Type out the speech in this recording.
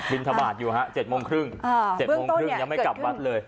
บินทบาทอยู่เห้อ๗๓๐ยังไม่กลับวัดเลย